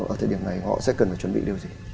ở thời điểm này họ sẽ cần phải chuẩn bị điều gì